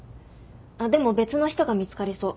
でも別の人が見つかりそう。